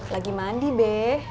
lagi mandi be